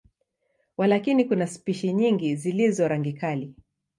Walakini, kuna spishi nyingi zilizo rangi kali.